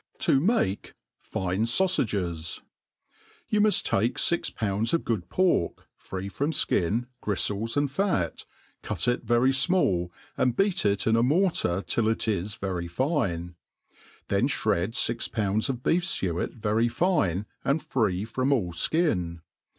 Tv make fini Saufages. YOU muft take fix pounds of good pork, free from (kin, griftks, and fat, cut it very fmall, and beat it in a mortar till it is very fine; then ihred fix pounds of beef fuet very fine and/ free from all (kin.